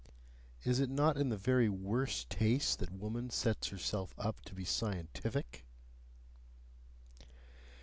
Is it not in the very worst taste that woman thus sets herself up to be scientific?